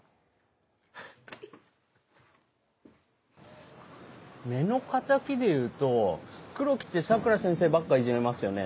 フッ目の敵でいうと黒木って佐倉先生ばっかいじめますよね。